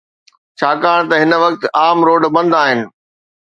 ڇاڪاڻ ته هن وقت عام روڊ بند آهن.